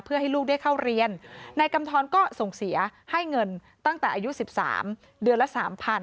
เพื่อให้ลูกได้เข้าเรียนนายกำทรก็ส่งเสียให้เงินตั้งแต่อายุ๑๓เดือนละ๓๐๐